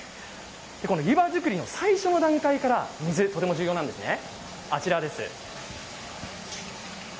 この湯葉作りの最初の段階から水、とても重要なんですね。